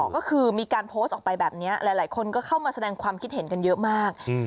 ก็คือมีการโพสต์ออกไปแบบนี้หลายคนก็เข้ามาแสดงความคิดเห็นกันเยอะมาก